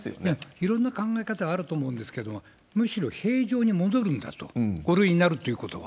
いろんな考え方はあると思うんですけれども、むしろ平常に戻るんだと、５類になるということは。